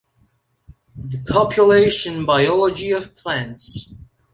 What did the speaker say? The Population biology of Plants.